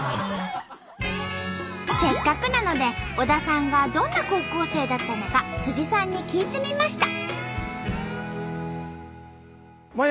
せっかくなので小田さんがどんな高校生だったのかさんに聞いてみました。